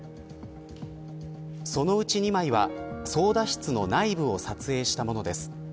そのうち２枚は操舵室の内部を撮影したものです。